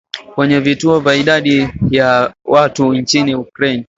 kwenye vituo vya idadi ya watu nchini Ukraine